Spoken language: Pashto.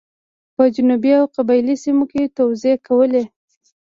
په جنوب او قبایلي سیمو کې توزېع کولې.